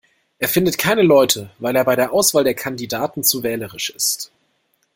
Er findet keine Leute, weil er bei der Auswahl der Kandidaten zu wählerisch ist.